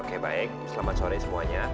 oke baik selamat sore semuanya